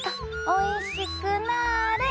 おいしくなれ！